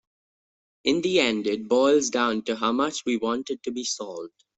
In the end it boils down to how much we want it to be solved.